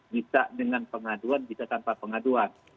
bisa dengan pengaduan bisa tanpa pengaduan